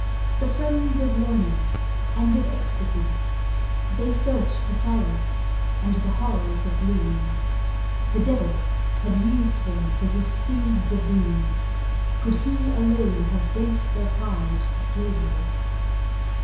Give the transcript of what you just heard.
The friends of Learning and of Ecstasy, They search for silence and the horrors of gloom; The devil had used them for his steeds of Doom, Could he alone have bent their pride to slavery.